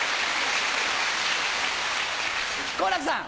好楽さん。